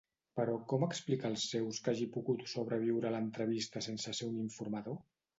Però com explicar als seus que hagi pogut sobreviure a l'entrevista sense ser un informador?